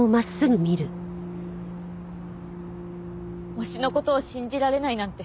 推しの事を信じられないなんて